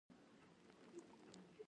هغه ته پټکی راوړه، هغې ته زرغون شال راوړه